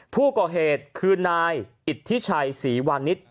ผู้ก่อเหตุคือนายอิทธิชัยศรีวานิส